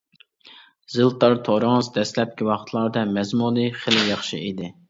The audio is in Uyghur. زىلتار تورىڭىز دەسلەپكى ۋاقىتلاردا مەزمۇنى خېلى ياخشى ئىدى.